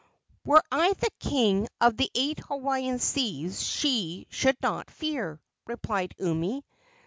"Were I the king of the eight Hawaiian seas she should not fear," replied Umi.